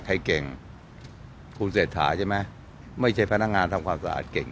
ใครเก่งคุณเศรษฐาใช่ไหมไม่ใช่พนักงานทำความสะอาดเก่ง